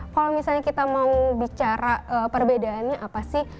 kalau misalnya kita mau bicara perbedaannya apa sih